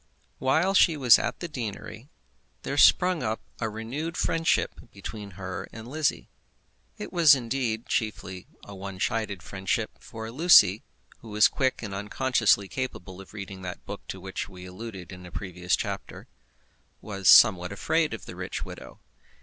While she was at the deanery there sprung up a renewed friendship between her and Lizzie. It was, indeed, chiefly a one sided friendship; for Lucy, who was quick and unconsciously capable of reading that book to which we alluded in a previous chapter, was somewhat afraid of the rich widow.